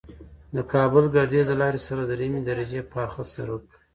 د کابل گردیز د لارې سره د دریمې درجې پاخه سرک